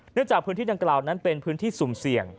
จากพื้นที่ดังกล่าวนั้นเป็นพื้นที่สุ่มเสี่ยง